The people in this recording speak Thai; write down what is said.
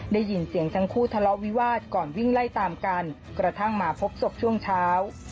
ได้ยินเสียงทั้งคู่ทะเลาะวิวาสก่อนวิ่งไล่ตามกันกระทั่งมาพบศพช่วงเช้า